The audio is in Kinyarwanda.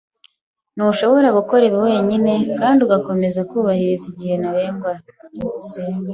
Ntushobora gukora ibi wenyine kandi ugakomeza kubahiriza igihe ntarengwa. byukusenge